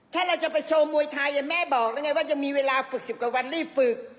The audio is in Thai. ถ้าเราจะไปโชว์มวยไทยแม่บอกแล้วไงว่าจะมีเวลาฝึก๑๐กว่าวันรีบฝึก